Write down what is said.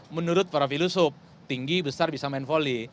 menurut para filosop tinggi besar bisa main volley